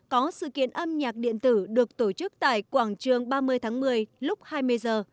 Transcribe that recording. có sự kiện âm nhạc điện tử được tổ chức tại quảng trường ba mươi tháng một mươi lúc hai mươi giờ